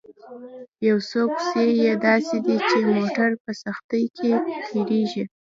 یو څو کوڅې یې داسې دي چې موټر په سختۍ په کې تېرېږي.